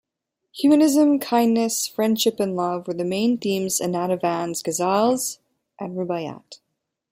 Humanism, kindness, friendship and love were the main themes of Natavan's ghazals and ruba'yat.